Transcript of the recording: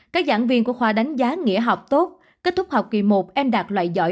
các giảng viên của khoa đánh giá nghĩa học tốt kết thúc học kỳ một em đạt loại giỏi